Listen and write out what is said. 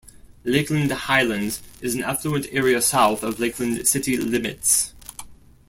Lakeland Highlands is an affluent area south of Lakeland city limits.